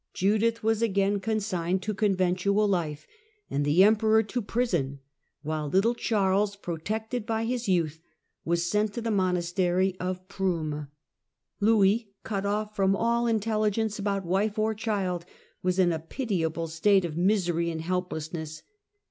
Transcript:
Judith was again consigned to conventual life and the Emperor to prison, while little Charles, protected by his youth, was sent to the monastery of Pruym. Louis, cut off from all intelligence about wife or child, was in a pitiable state of misery and helplessness.